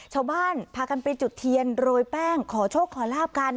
ชาวบ้านพากันไปจุดเทียนโรยแป้งขอโชคขอลาบกัน